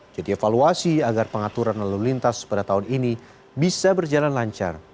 jadi evaluasi agar pengaturan lalu lintas pada tahun ini bisa berjalan lancar